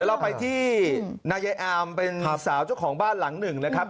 เราไปที่นายอามเป็นสาวเจ้าของบ้านหลังหนึ่งนะครับ